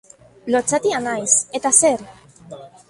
Lotsatia naiz, eta zer?